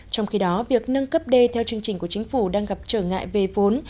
trong khi đó việc nâng cấp đê theo chương trình của chính phủ đang gặp trở ngại về vốn